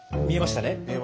見えました。